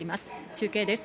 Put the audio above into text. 中継です。